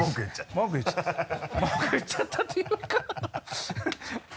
文句言っちゃったっていうか